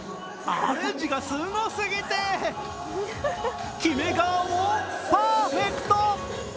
アレンジがすごすぎて、決め顔もパーフェクト！